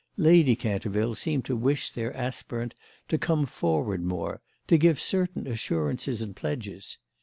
Lady Canterville seemed to wish their aspirant to come forward more, to give certain assurances and pledges.